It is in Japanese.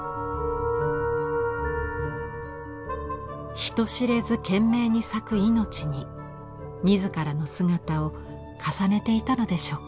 人知れず懸命に咲く命に自らの姿を重ねていたのでしょうか。